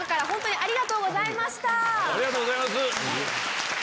ありがとうございます！